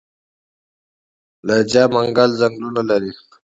لجه منګل ځنګلونه لري؟